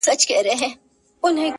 په هوا کي پاچهي وه د بازانو -